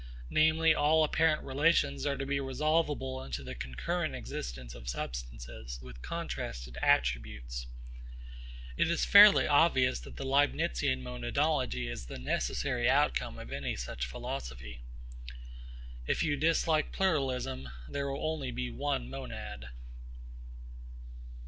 Namely all apparent relations are to be resolvable into the concurrent existence of substances with contrasted attributes. It is fairly obvious that the Leibnizian monadology is the necessary outcome of any such philosophy. If you dislike pluralism, there will be only one monad.